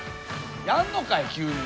やんのかい急に。